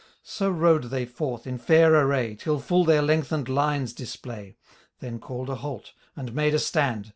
So rode they forth in fair array. Till full their lengthened lines display ;^ Tlien called a halt, and made a stand.